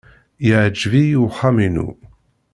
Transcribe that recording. Yeɛjeb-iyi uxxam-inu.